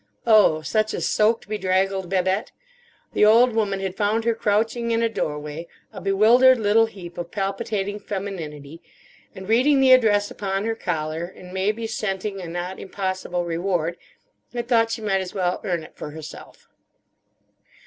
Oh, such a soaked, bedraggled Babette! The old woman had found her crouching in a doorway, a bewildered little heap of palpitating femininity; and, reading the address upon her collar, and may be scenting a not impossible reward, had thought she might as well earn it for herself.